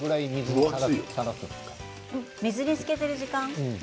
水につけてる時間は？